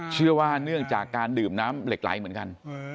เชื่อว่าเนื่องจากการดื่มน้ำเหล็กไหลเหมือนกัน